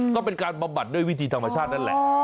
ก็เป็นการบำบัดด้วยวิธีธรรมชาตินั่นแหละ